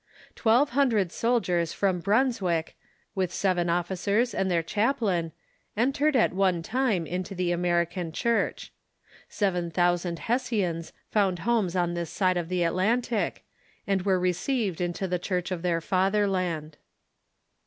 Twelve hundred soldiers from Brunswick, with seven officers and their chaplain, entered at one time into the Amer ican Church. Seven thousand Hessians found homes on this side of the Atlantic, and were received into the Church of their fatherland.